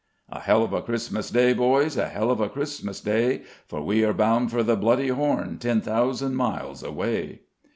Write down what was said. "A hell of a Christmas Day, boys, A hell of a Christmas Day, For we are bound for the bloody Horn Ten thousand miles away."